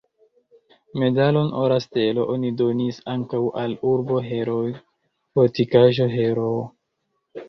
Medalon "Ora stelo" oni donis ankaŭ al "Urbo-Heroo", "Fortikaĵo-Heroo".